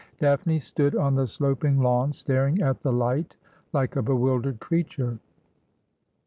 Daphne stood on the sloping lawn staring at the light like a bewildered creature.